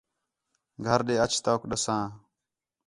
گھر ݙے اِچ توک ݙَساں